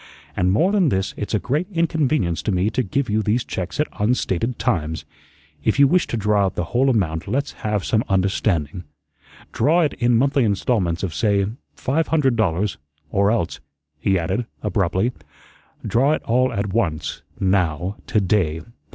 And more than this, it's a great inconvenience to me to give you these checks at unstated times. If you wish to draw out the whole amount let's have some understanding. Draw it in monthly installments of, say, five hundred dollars, or else," he added, abruptly, "draw it all at once, now, to day.